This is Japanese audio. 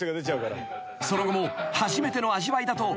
［その後も初めての味わいだと］